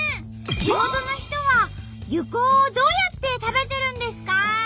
地元の人は柚香をどうやって食べてるんですか？